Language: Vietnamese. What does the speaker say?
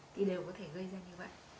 thì đều có thể gây ra như vậy